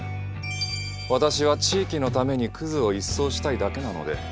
私は地域のためにクズを一掃したいだけなので。